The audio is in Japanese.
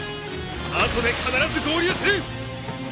後で必ず合流する！